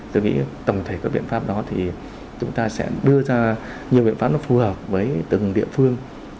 tôi nghĩ tổng thể các biện pháp đó thì chúng ta sẽ đưa ra nhiều biện pháp nó phù hợp với từng địa phương